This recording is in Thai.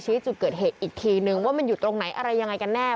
จุดเกิดเหตุอีกทีนึงว่ามันอยู่ตรงไหนอะไรยังไงกันแน่